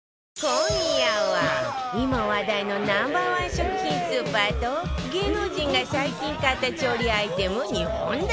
今夜は今話題のナンバーワン食品スーパーと芸能人が最近買った調理アイテム２本立て